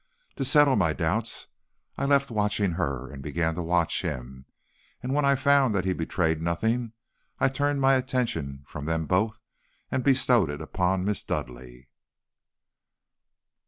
To settle my doubts, I left watching her and began to watch him, and when I found that he betrayed nothing, I turned my attention from them both and bestowed it upon Miss Dudleigh."